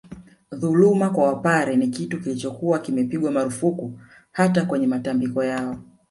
Dhuluma kwa Wapare ni kitu kilichokuwa kimepigwa marufuku hata kwenye matambiko yao